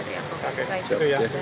terima kasih jenderal